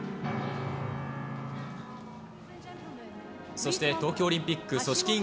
そして東京オリンピック組織委員